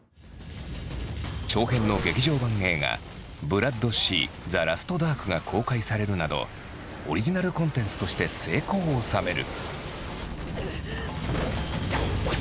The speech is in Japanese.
長編の劇場版映画「ＢＬＯＯＤ−ＣＴｈｅＬａｓｔＤａｒｋ」が公開されるなどオリジナルコンテンツとして成功を収める。